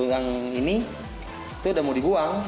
yang ini itu udah mau dibuang